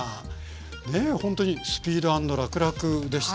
ねえほんとにスピード＆らくらくでしたね。